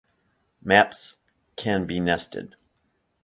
Maps can be nested.